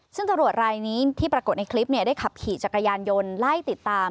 ซึ่งตำรวจรายนี้ที่ปรากฏในคลิปได้ขับขี่จักรยานยนต์ไล่ติดตาม